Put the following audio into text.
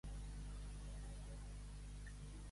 Com el forat caganer, que fa tot el que veu fer.